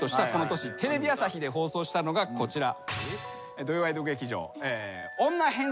テレビ朝日で放送したのがこちら。